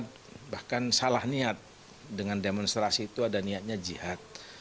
ada yang berniat bahkan salah niat dengan demonstrasi itu ada niatnya jihad